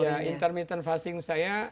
kalau saya intermittent fasting saya